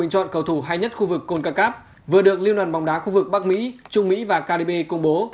cầu thủ hay nhất khu vực concacaf vừa được liêu nằn bóng đá khu vực bắc mỹ trung mỹ và caribe công bố